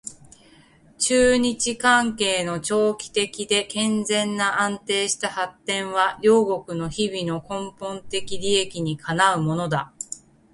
中日関係の長期的で健全な安定した発展は両国の人々の根本的利益にかなうものだ